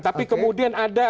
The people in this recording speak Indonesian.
tapi kemudian ada